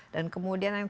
dan kemudian yang